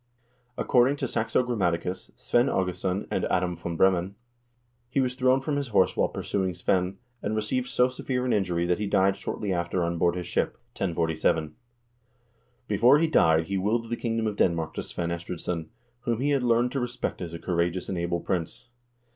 Accord ing to Saxo Grammaticus, Svein Aagesson, and Adam v. Bremen, he was thrown from his horse while pursuing Svein, and received so severe an injury that he died shortly after on board his ship, 1047. Before he died he willed the kingdom of Denmark to Svein Estridsson, whom he had learned to respect as a courageous and able prince.